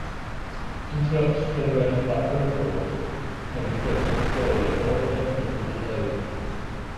Interrupts generated by peripherals may be processed slowly, or indefinitely delayed.